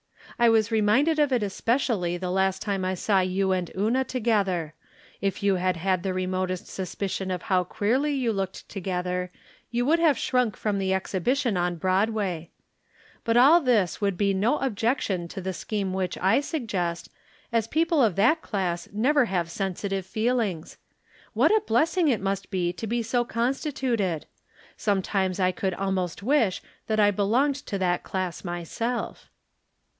I was reminded of it especially the last time I saw you and Una together. If you had had the remotest suspicion of how queerly you looked together you would have shrunk from the exhibition on Broadway. But all this would be no objection to the scheme which I suggest, as people of that class never have sensitive feelings. What a blessing it must be to be so constituted. Sometimes I could al most wish that I belonged to that class myself.